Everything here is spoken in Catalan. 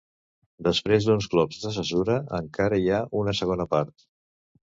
Després d'uns glops de cesura encara hi ha una segona part.